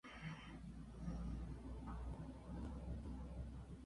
El montaje del cuchillo es muy simple.